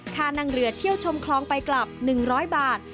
ค่านั่งเรือเที่ยวชมคลองไปกลับ๑๐๐บาท